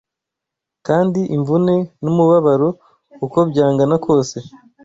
kandi imvune n’umubabaro uko byangana kose